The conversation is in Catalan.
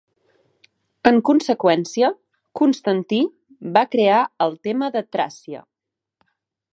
En conseqüència, Constantí va crear el Tema de Tràcia.